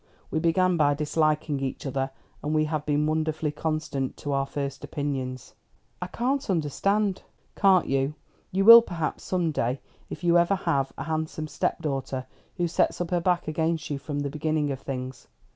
We began by disliking each other, and we have been wonderfully constant to our first opinions." "I can't understand " "Can't you? You will, perhaps, some day: if you ever have a handsome stepdaughter who sets up her back against you from the beginning of things.